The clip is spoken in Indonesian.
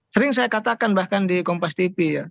sering saya katakan bahkan di kompas tv ya